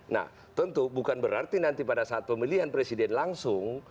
nah tentu bukan berarti nanti pada saat pemilihan presiden langsung